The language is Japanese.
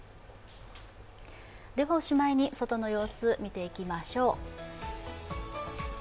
おしまいに外の様子、見ていきましょう。